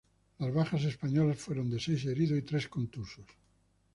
Las bajas españolas fueron de seis heridos y tres contusos.